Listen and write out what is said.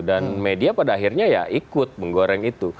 dan media pada akhirnya ya ikut menggoreng itu